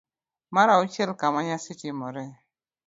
mar auchiel. Kama nyasi timoree